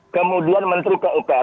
kemudian menteri pupr